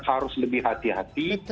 harus lebih hati hati